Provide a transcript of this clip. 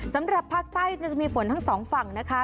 สำหรับภาคใต้จะมีฝนทั้งสองฝั่งนะคะ